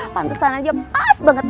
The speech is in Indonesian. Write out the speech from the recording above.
pantesan aja pas banget